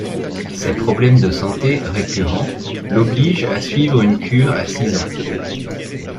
Ses problèmes de santé récurrents l'obligent à suivre une cure à six ans.